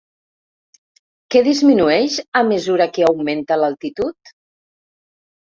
Què disminueix a mesura que augmenta l'altitud?